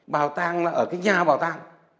bảo tàng là ở cái nhà bảo tàng